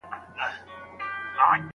که علمي جملې وویل سي نو فکر فعالېږي.